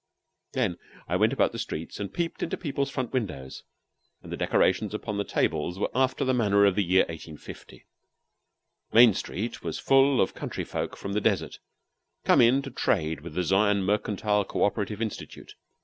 Then I went about the streets and peeped into people's front windows, and the decorations upon the tables were after the manner of the year 1850. Main Street was full of country folk from the desert, come in to trade with the Zion Mercantile Co operative Institute.